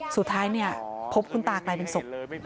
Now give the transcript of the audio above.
สุดท้ายพบคุณตากลายเป็นศพ